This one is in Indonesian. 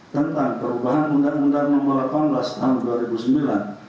tentang perubahan undang undang nomor delapan belas tahun dua ribu sembilan